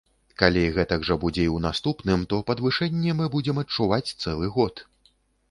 Калі гэтак жа будзе і ў наступным, то падвышэнне мы будзем адчуваць цэлы год.